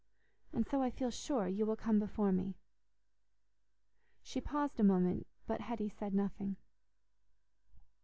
And so I feel sure you will come before me." She paused a moment, but Hetty said nothing.